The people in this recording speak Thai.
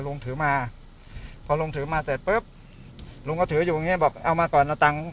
ลุงถือมาพอลุงถือมาเสร็จปุ๊บลุงก็ถืออยู่อย่างเงี้บอกเอามาก่อนเอาตังค์